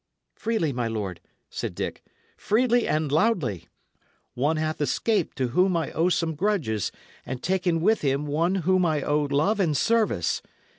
"Freely, my lord," said Dick, "freely and loudly. One hath escaped to whom I owe some grudges, and taken with him one whom I owe love and service.